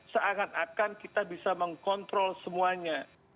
seakan akan kita bisa mengkontrol semuanya